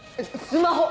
スマホ！